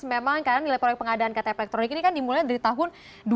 memang karena nilai proyek pengadaan ktp elektronik ini kan dimulai dari tahun dua ribu dua